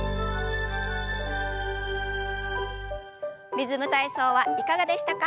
「リズム体操」はいかがでしたか？